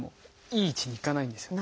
いい位置にいかないんですよ。